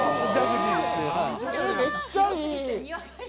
めっちゃいい。